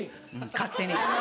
勝手に。